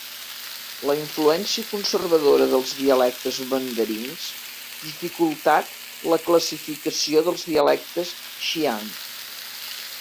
La influència conservadora dels dialectes mandarins dificultat la classificació dels dialectes Xiang.